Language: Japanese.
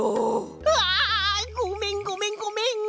うわあ！ごめんごめんごめん！